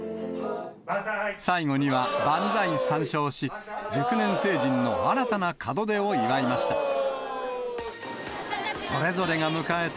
最後には、万歳三唱し、熟年成人の新たな門出を祝いました。